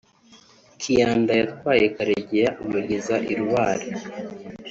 Kyanda yatwaye Karegeya amugeza i Rubare